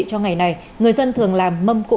cho ngày này người dân thường làm mâm cỗ